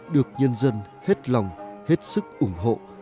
được nhân dân hết lòng hết sức ủng hộ